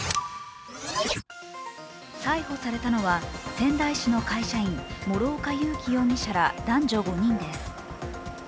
逮捕されたのは仙台市の会社員諸岡佑樹容疑者ら、男女５人です。